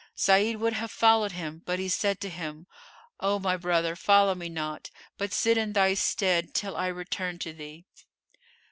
Sa'id would have followed him, but he said to him, "O my brother, follow me not, but sit in thy stead till I return to thee."